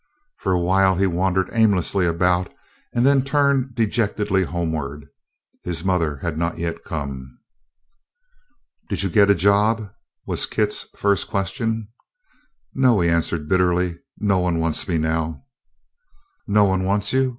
For a while he wandered aimlessly about and then turned dejectedly homeward. His mother had not yet come. "Did you get a job?" was Kit's first question. "No," he answered bitterly, "no one wants me now." "No one wants you?